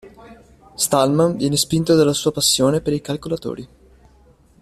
Stallman viene spinto dalla sua passione per i calcolatori.